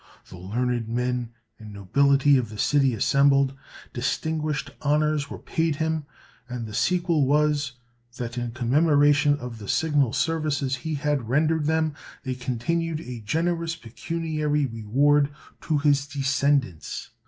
The learned men and nobility of the city assembled; distinguished honors were paid him; and the sequel was, that in commemoration of the signal services he had rendered them, they continued a generous pecuniary reward to his descendants.